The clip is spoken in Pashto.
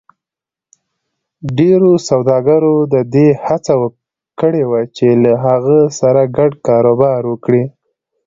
ډېرو سوداګرو د دې هڅه کړې وه چې له هغه سره ګډ کاروبار وکړي.